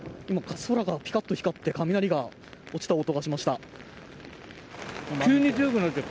今、空がピカッと光って雷が落ちた音がしました。